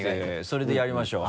それでやりましょう。